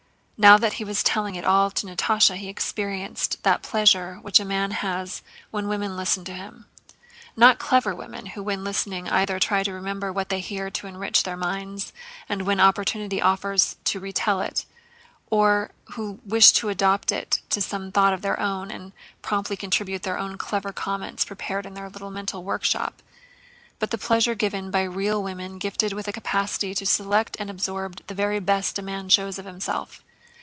Now that he was telling it all to Natásha he experienced that pleasure which a man has when women listen to him—not clever women who when listening either try to remember what they hear to enrich their minds and when opportunity offers to retell it, or who wish to adopt it to some thought of their own and promptly contribute their own clever comments prepared in their little mental workshop—but the pleasure given by real women gifted with a capacity to select and absorb the very best a man shows of himself.